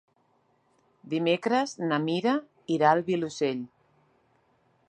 Dimecres na Mira irà al Vilosell.